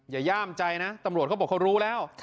อย่าย่ามใจนะตำรวจเขารู้แล้ว